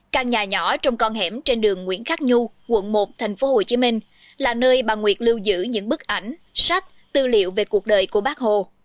căn nhà nhỏ trong con hẻm trên đường nguyễn khắc nhu quận một tp hcm là nơi bà nguyệt lưu giữ những bức ảnh sách tư liệu về cuộc đời của bác hồ